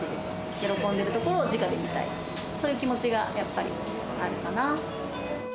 喜んでくれるのをじかで見たい、そういう気持ちがやっぱりあるかな。